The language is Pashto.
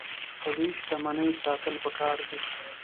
طبیعي شتمنۍ ساتل پکار دي.